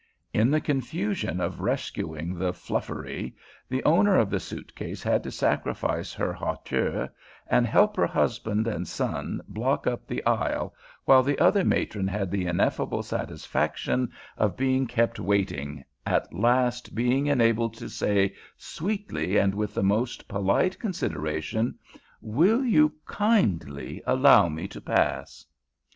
In the confusion of rescuing the fluffery, the owner of the suitcase had to sacrifice her hauteur and help her husband and son block up the aisle, while the other matron had the ineffable satisfaction of being kept waiting, at last being enabled to say, sweetly and with the most polite consideration: "Will you kindly allow me to pass?"